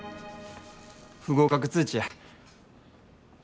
不合格通知や。